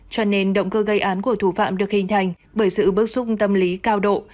cho nên động cơ gây án của thủ phạm được hình thành bởi sự bức xúc tâm lý cao độ